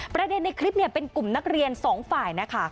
ประเด็นในคลิปเนี่ยเป็นกลุ่มนักเรียน๒ฝ่ายนะคะ